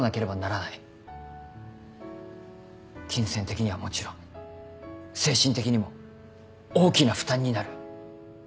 金銭的にはもちろん精神的にも大きな負担になる。